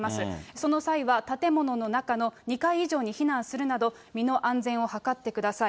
その際は建物の中の２階以上に避難するなど、身の安全を図ってください。